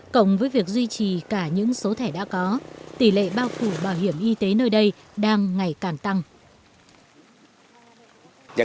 cộng với việc duy trì cả những số thẻ đã có tỷ lệ bao phủ bảo hiểm y tế nơi đây đang ngày càng tăng